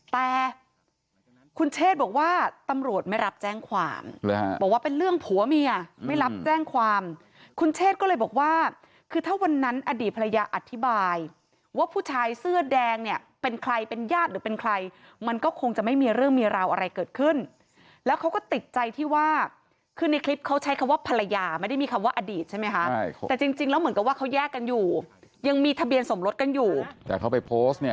แต่คุณเชษฐ์บอกว่าตำรวจไม่รับแจ้งความบอกว่าเป็นเรื่องผัวเมียไม่รับแจ้งความคุณเชษฐ์ก็เลยบอกว่าคือถ้าวันนั้นอดีตภรรยาอธิบายว่าผู้ชายเสื้อแดงเนี่ยเป็นใครเป็นญาติหรือเป็นใครมันก็คงจะไม่มีเรื่องเมียราวอะไรเกิดขึ้นแล้วเขาก็ติดใจที่ว่าคือในคลิปเขาใช้คำว่าภรรยาไม่